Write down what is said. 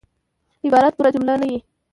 عبارت پوره جمله نه يي.